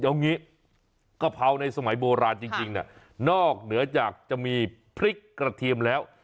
เอางี้กะเพราในสมัยโบราณจริงนอกเหนือจากจะมีพริกกระเทียมแล้ว